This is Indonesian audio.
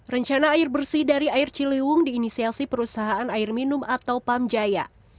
rencana air bersih dari air ciliwung diinisiasi perusahaan air minum atau pamjaya